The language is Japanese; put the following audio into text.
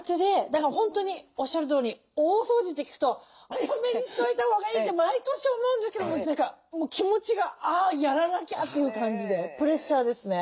だから本当におっしゃるとおり大掃除って聞くと早めにしといたほうがいいって毎年思うんですけども何か気持ちが「あやらなきゃ」という感じでプレッシャーですね。